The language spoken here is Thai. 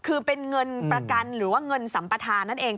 คือเป็นเงินประกันหรือว่าเงินสัมปทานนั่นเอง